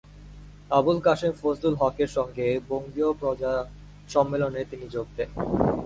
আবুল কাশেম ফজলুল হকের সঙ্গে বঙ্গীয় প্রজা সম্মেলনে তিনি যোগ দেন।